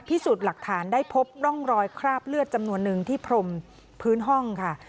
พิสูจน์หลักฐานได้พบร่องรอยคราบเลือดจำนวนนึงที่พรมพื้นห้องค่ะ